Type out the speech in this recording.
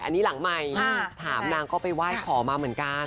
อันนี้หลังใหม่ถามนางก็ไปไหว้ขอมาเหมือนกัน